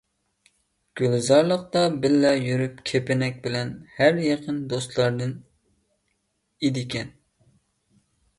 گۈلزارلىقتا بىللە يۈرۇپ كىپىنەك بىلەن ھەرە يېقىن دوستلاردىن ئىدىكەن .